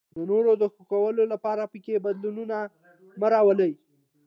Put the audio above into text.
د نورو د خوښولو لپاره پکې بدلون مه راولئ.